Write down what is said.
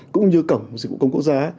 cũng như cổng dịch vụ công quốc gia